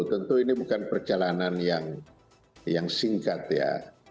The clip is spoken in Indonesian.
tentu ini bukan perjalanan yang singkat ya